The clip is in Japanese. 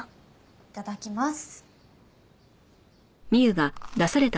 いただきます。